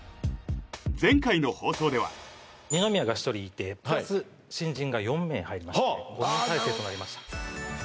前回の放送では二宮が１人いてプラス新人が４名入りまして５人体制となりました